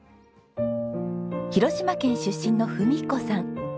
広島県出身の文彦さん。